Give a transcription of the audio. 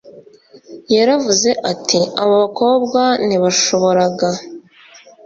yaravuze ati abo bakobwa ntibashoboraga